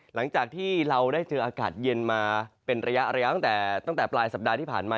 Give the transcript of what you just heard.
หลังจากที่เราได้เจออากาศเย็นมาเป็นระยะตั้งแต่ตั้งแต่ปลายสัปดาห์ที่ผ่านมา